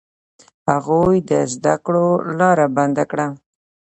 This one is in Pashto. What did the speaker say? هغوی د زده کړو لاره بنده کړه.